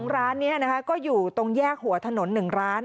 ร้านนี้ก็อยู่ตรงแยกหัวถนน๑ร้าน